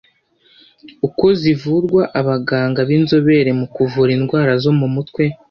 Uko zivurwa Abaganga b’inzobere mu kuvura indwara zo mu mutwe